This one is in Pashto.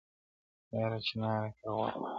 یاره چنار دي پېغور نه راکوي,